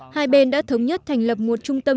hai bên đã thống nhất thành lập một trung tâm